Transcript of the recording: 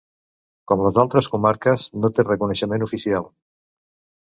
Com les altres comarques, no té reconeixement oficial.